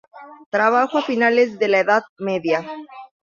Trabajó a finales de la Edad Media.